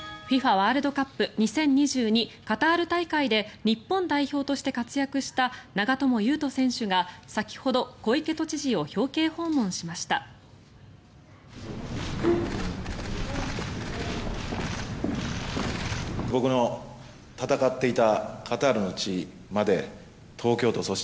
ワールドカップ２０２２カタール大会で日本代表として活躍した長友佑都選手が先ほど小池都知事を表敬訪問しました。